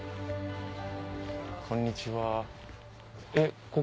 こんにちは。